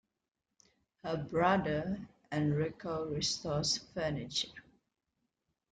Her brother, Enrico, restores furniture.